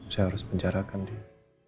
saya harus menjarakan dia